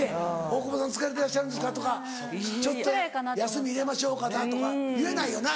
大久保さん疲れてらっしゃるんですか？とかちょっと休み入れましょうかとか言えないよな？